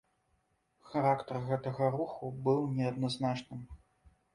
Характар гэтага руху быў неадназначным.